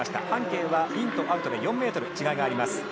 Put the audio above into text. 半径はインとアウトで４ｍ違いがあります。